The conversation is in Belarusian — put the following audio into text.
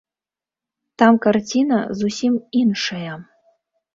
Там карціна зусім іншая.